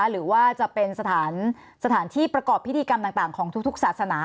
หรือว่าจะเป็นสถานที่ประกอบพิธีกรรมต่างของทุกศาสนา